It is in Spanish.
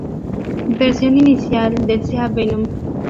Versión inicial del Sea Venom.